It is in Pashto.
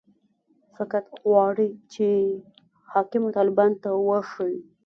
فقط غواړي چې حاکمو طالبانو ته وښيي.